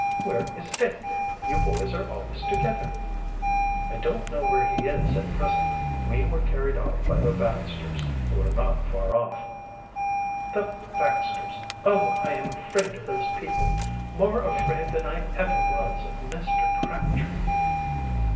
"Where is Dick? You boys are always together." "I don't know where he is at present. We were carried off by the Baxters, who are not far off." "The Baxters! Oh, I am afraid of those people more afraid than I ever was of Mr. Crabtree."